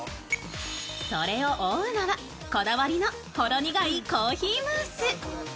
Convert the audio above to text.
それを覆うのはこだわりのほろ苦いコーヒームース。